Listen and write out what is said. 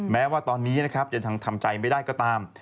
แม้ว่าตอนนี้ยังทำใจไม่ได้ก็ตาม